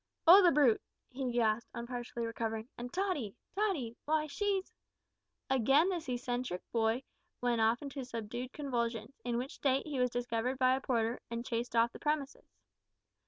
"O the brute!" he gasped, on partially recovering, "and Tottie! Tottie!! why she's " Again this eccentric boy went off into subdued convulsions, in which state he was discovered by a porter, and chased off the premises.